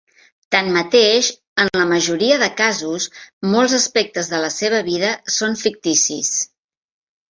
Tanmateix, en la majoria de casos, molts aspectes de la seva vida són ficticis.